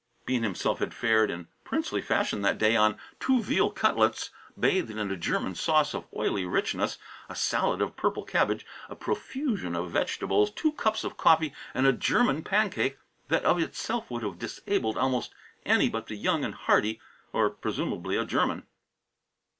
Bean himself had fared in princely fashion that day on two veal cutlets bathed in a German sauce of oily richness, a salad of purple cabbage, a profusion of vegetables, two cups of coffee and a German pancake that of itself would have disabled almost any but the young and hardy, or, presumably, a German.